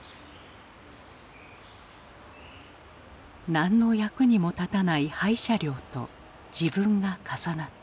何の役にも立たない廃車両と自分が重なった。